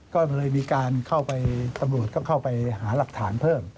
ก็เลยมีการเข้าไปตำรวจก็เข้าไปหาหลักฐานเพิ่ม